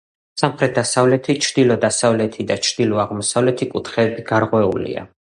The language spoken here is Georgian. სამხრეთ-დასავლეთი, ჩრდილო-დასავლეთი და ჩრდილო-აღმოსავლეთი კუთხეები გარღვეულია.